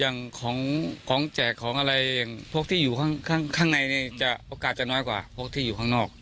อย่างของแจกของอะไรอย่างพวกที่อยู่ข้างในจะโอกาสจะน้อยกว่าพวกที่อยู่ข้างนอก